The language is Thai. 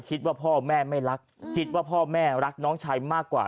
คิดว่าพ่อแม่ไม่รักคิดว่าพ่อแม่รักน้องชายมากกว่า